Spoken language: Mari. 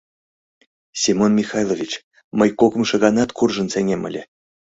Семон Михайлович, мый кокымшо ганат куржын сеҥем ыле.